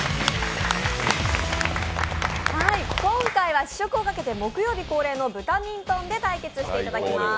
今回は試食をかけて木曜日恒例のブタミントンで対決していただきます。